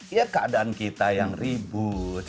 ya keadaan kita yang ribut